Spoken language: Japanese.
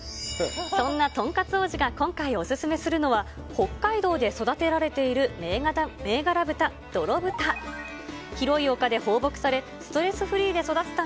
そんなとんかつ王子が今回お勧めするのは、北海道で育てられている銘柄豚、どろぶた。